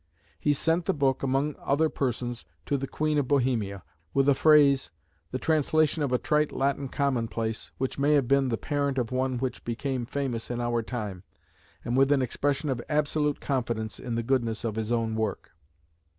He sent the book, among other persons, to the Queen of Bohemia, with a phrase, the translation of a trite Latin commonplace, which may have been the parent of one which became famous in our time; and with an expression of absolute confidence in the goodness of his own work.